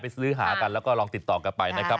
ซื้อหากันแล้วก็ลองติดต่อกันไปนะครับ